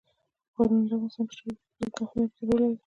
ښارونه د افغانستان په ستراتیژیک اهمیت کې رول لري.